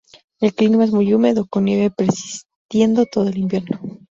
El clima es muy húmedo, con nieve persistiendo todo el invierno.